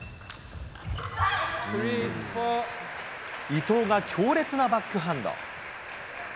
伊藤が強烈なバックハンド。